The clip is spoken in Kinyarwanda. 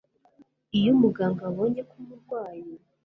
Iyo umuganga abonye ko umurwayi